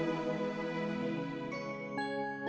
nanti aku akan berbicarakan untuk uston sc profite itu juga